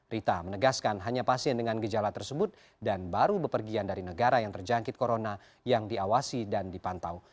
rita menegaskan hanya pasien dengan gejala tersebut dan baru bepergian dari negara yang terjangkit corona yang diawasi dan dipantau